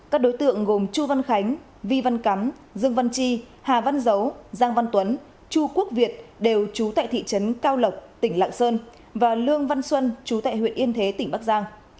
các đối tượng gồm chu văn khánh vi văn cắm dương văn chi hà văn dấu giang văn tuấn chu quốc việt đều trú tại thị trấn cao lộc tỉnh lạng sơn và lương văn xuân chú tại huyện yên thế tỉnh bắc giang